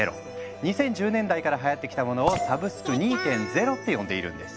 ２０１０年代からはやってきたものを「サブスク２．０」って呼んでいるんです。